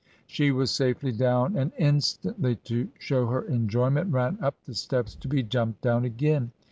... She was safely down, and in stantly to shew her enjoyment, ran up the steps to be jumped down again.